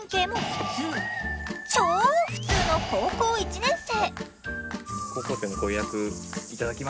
超普通の高校１年生。